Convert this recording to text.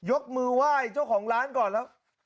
มันยกมือว่ายเจ้าของร้านก่อนแล้ว